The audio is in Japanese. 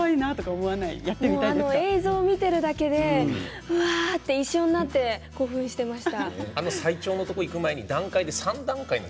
映像を見てるだけで一緒になって興奮していました。